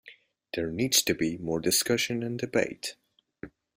There needs to be more discussion and debate.